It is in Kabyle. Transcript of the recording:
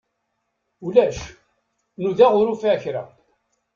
Ulac, nudaɣ ur ufiɣ kra.